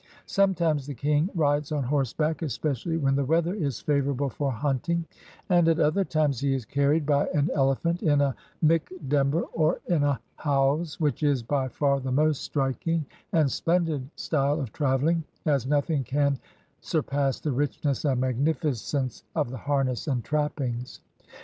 Sometimes the king rides on horseback, especially when the weather is favorable for hunting; and at other times he is carried by an elephant in a mikdember, or in a hauze, which is by far the most strik ing and splendid style of traveling, as nothing can sur pass the richness and magnificence of the harness and trappings.